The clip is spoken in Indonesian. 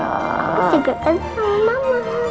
aku juga kan sama mama